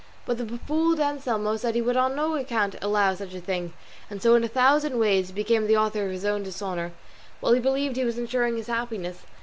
But the befooled Anselmo said he would on no account allow such a thing, and so in a thousand ways he became the author of his own dishonour, while he believed he was insuring his happiness.